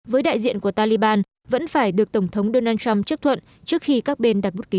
với đại diện của taliban vẫn phải được tổng thống donald trump chấp thuận trước khi các bên đặt bút ký